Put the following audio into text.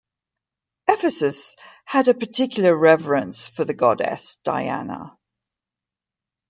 Ephesus had a particular reverence for the goddess Diana.